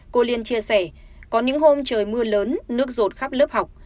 cô liên chia sẻ có những hôm trời mưa lớn nước rột khắp lớp học